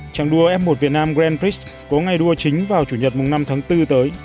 chặng đua f một việt nam grand prix có ngày đua chính vào chủ nhật năm tháng bốn tới